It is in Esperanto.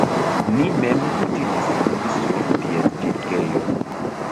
Ni mem kutimas ludi sur piedpilkejo...